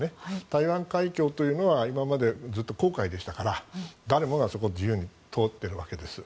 台湾海峡というのは今までずっと公海でしたから誰もが、そこを自由に通っているわけです。